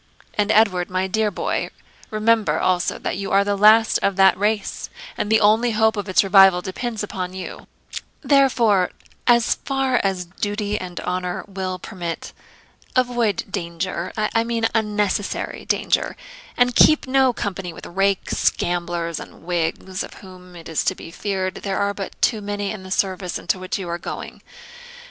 And, Edward, my dear boy, remember also that you are the last of that race, and the only hope of its revival depends upon you; therefore, as far as duty and honour will permit, avoid danger I mean unnecessary danger and keep no company with rakes, gamblers, and Whigs, of whom, it is to be feared, there are but too many in the service into which you are going.